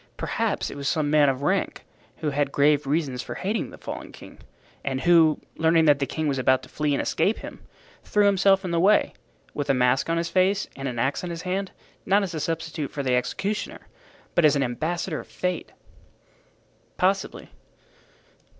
Perhaps it was some man of rank who had grave reasons for hating the fallen king, and who, learning that the king was about to flee and escape him, threw himself in the way, with a mask on his face and an axe in his hand, not as substitute for the executioner, but as an ambassador of Fate." "Possibly."